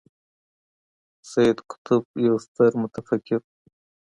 سید قطب یو ستر متفکر و.